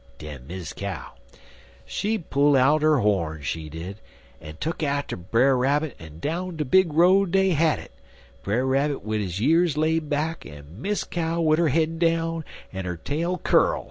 "Den Miss Cow, she pull out 'er horn, she did, en tuck atter Brer Rabbit, en down de big road dey had it, Brer Rabbit wid his years laid back, en Miss Cow wid 'er head down en 'er tail curl.